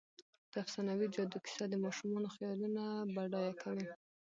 د افسانوي جادو کیسه د ماشومانو خیالونه بډایه کوي.